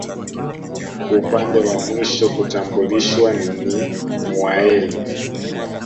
Upande wa mwisho kutambulishwa ni Ngwâeli